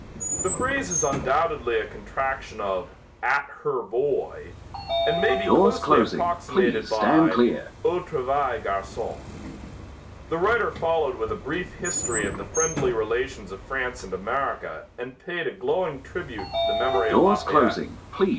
The phrase is undoubtedly a contraction of 'at her boy' and may be closely approximated by 'au travail, garçon.'" The writer followed with a brief history of the friendly relations of France and America and paid a glowing tribute to the memory of Lafayette.